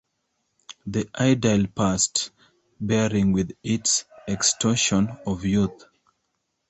The idyl passed, bearing with it its extortion of youth.